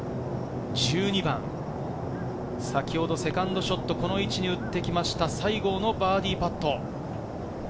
１２番、先ほどセカンドショット、この位置で打ってきました、西郷のバーディーパット。